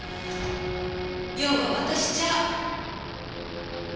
用は私ちゃう。